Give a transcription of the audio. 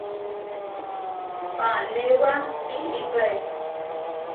Panéwapiʼrípare.